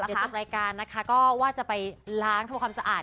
เดี๋ยวจบรายการนะคะก็ว่าจะไปล้างทำความสะอาด